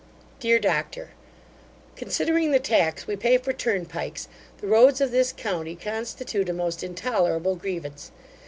DEAR DOCTOR, Considering the tax we pay for turnpikes, the roads of this county constitute a most intolerable grievance.